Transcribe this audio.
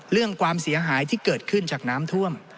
เรื่องความเสียหายที่เกิดขึ้นจากน้ำท่วม